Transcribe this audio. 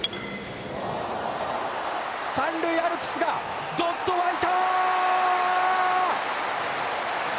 三塁アルプスがどっと沸いたー！！